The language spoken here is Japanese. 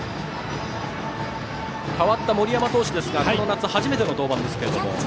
代わった森山投手ですがこの夏初めての登板ですが。